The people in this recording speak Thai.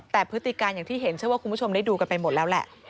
แต่พฤติการอย่างที่เห็นเชื่อว่าคุณผู้ชมได้ดูกันไปหมดแล้วแหละ